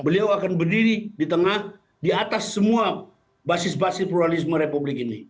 beliau akan berdiri di tengah di atas semua basis basis pluralisme republik ini